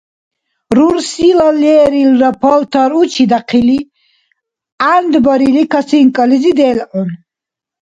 Рурсила лерилра палтар учидяхъили гӀянд барили косынкализи делгӀун.